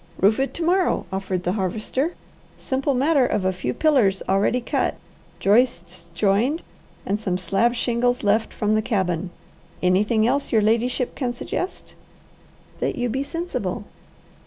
"Roof it to morrow," offered the Harvester. "Simple matter of a few pillars already cut, joists joined, and some slab shingles left from the cabin. Anything else your ladyship can suggest?" "That you be sensible."